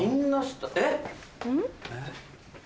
えっ？